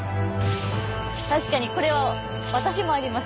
確かにこれは私もあります